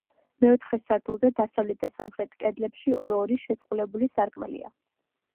მეოთხე სართულზე, დასავლეთ და სამხრეთ კედლებში, ორ-ორი შეწყვილებული სარკმელია.